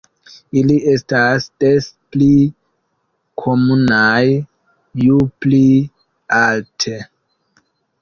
Ili estas des pli komunaj ju pli alte.